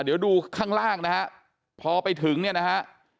เดี๋ยวดูข้างล่างนะฮะพอไปถึงเนี่ยนะฮะ